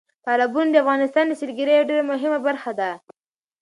تالابونه د افغانستان د سیلګرۍ یوه ډېره مهمه برخه ده.